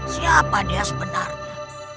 siapa dia sebenarnya